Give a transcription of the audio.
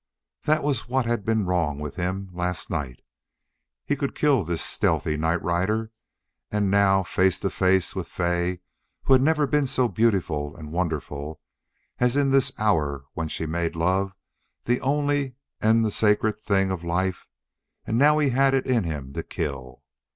That was what had been wrong with him last night. He could kill this stealthy night rider, and now, face to face with Fay, who had never been so beautiful and wonderful as in this hour when she made love the only and the sacred thing of life, now he had it in him to kill.